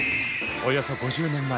およそ５０年前。